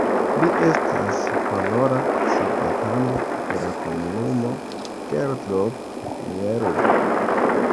Li estas honora civitano de la komunumo Geldrop-Mierlo.